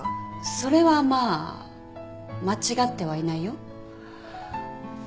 それはまあ間違ってはいないよ。